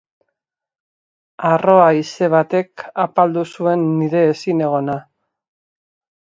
Harro haize batek apaldu zuen nire ezinegona.